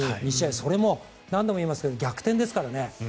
それも何度も言いますが逆転ですからね。